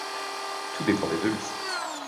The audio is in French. Tout dépendait de lui.